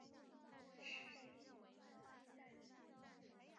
虚拟文件夹为用户提供一种更方便方法管理一批内容相关的文件。